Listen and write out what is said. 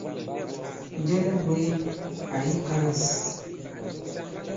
Njɛ nu bwě àyì kalâs ?